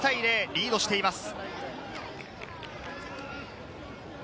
リードしています。